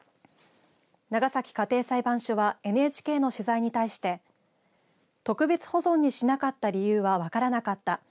長崎家庭裁判所はＮＨＫの取材に対して特別保存にしなかった理由は分からなかった。